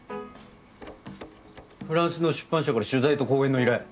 フランスの出版社から取材と講演の依頼。